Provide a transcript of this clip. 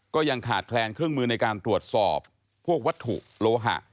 ก็ยังขาดแคลนเครื่องมือในการตรวจสอบพวกวัตถุโลหะ